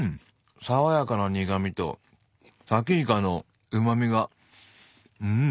爽やかな苦味とさきイカのうまみがうん！